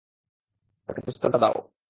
তাকে পিস্তলটা দাও।